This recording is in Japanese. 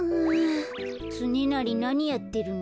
つねなりなにやってるの？